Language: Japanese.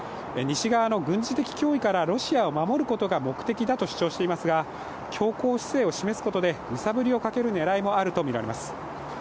西側の軍事的脅威からロシアを守ることが目的だと主張していますが強硬姿勢を示すことで、揺さぶりをかける狙いがあるとみられます。